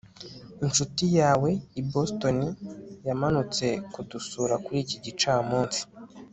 inshuti yawe i boston yamanutse kudusura kuri iki gicamunsi